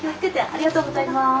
ありがとうございます。